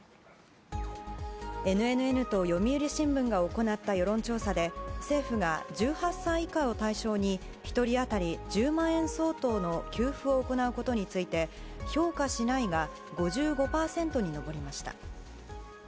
ＮＮＮと読売新聞が行った世論調査で政府が１８歳以下を対象に１人当たり１０万円相当の給付を行うことについて評価しないが５５％に上りました。